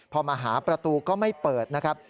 พอมาหาประตูก็ไม่เปิดนะครับ